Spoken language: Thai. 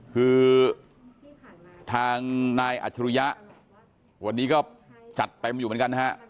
คือทางนายอาจารยะวันนี้ก็จัดไปมาอยู่เหมือนกันนะครับ